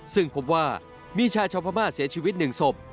ซึ่งพบว่ามีชายชาวพม่าเสียชีวิต๑ศพ